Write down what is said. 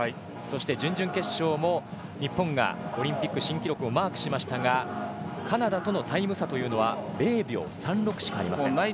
そして、準々決勝も日本がオリンピック新記録をマークしましたがカナダとのタイム差というのは０秒３６しかありません。